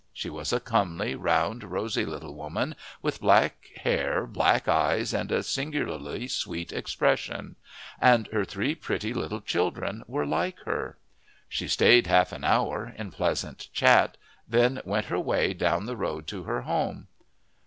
She was a comely, round, rosy little woman, with black hair, black eyes, and a singularly sweet expression, and her three pretty little children were like her. She stayed half an hour in pleasant chat, then went her way down the road to her home.